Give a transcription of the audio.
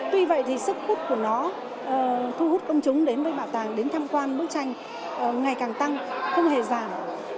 tuy vậy thì sức khúc của nó thu hút công chúng đến với bảo tàng đến tham quan bức tranh ngày càng tăng không hề giảm